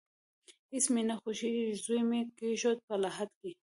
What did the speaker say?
هیڅ مې نه خوښیږي، زوی مې کیښود په لحد کې